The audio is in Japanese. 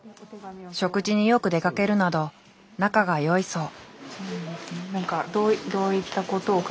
食事によく出かけるなど仲が良いそう。